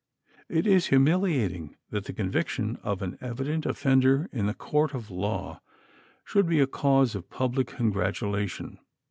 It is humiliating that the conviction of an evident offender in a court of law should be a cause of public congratulation.